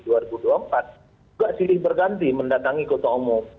juga silih berganti mendatangi kota umum